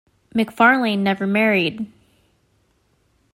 McFarlane never married.